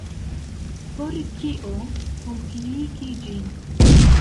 Por kio kompliki ĝin?